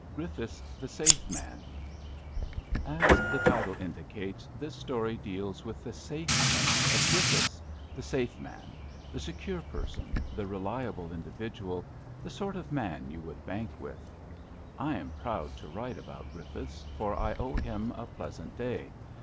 GEIFFITHS THE SAFE MAN A S the title indicates, this story deals with the '^^^ saf eness of Griffiths the safe man, the secure person, the reliable individual, the sort of man you would bank with, I am proud to write about Griffiths, for I owe him a pleasant day.